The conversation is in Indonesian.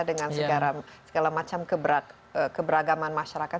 dengan segala macam keberagaman masyarakat